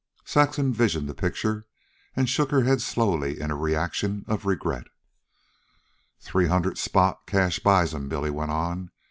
Saxon visioned the picture, and shook her head slowly in a reaction of regret. "Three hundred spot cash buys 'em," Billy went on.